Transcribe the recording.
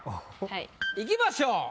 いきましょう。